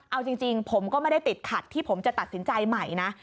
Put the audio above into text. เอาจริงผมก็ไม่ได้ติดขัดที่ผมจะตัดสินใจใหม่นะ